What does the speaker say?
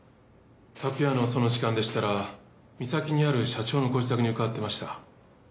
昨夜のその時間でしたら三崎にある社長のご自宅に伺っていました。